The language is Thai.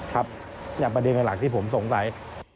ครับอย่างประเด็นหลักที่ผมสงสัย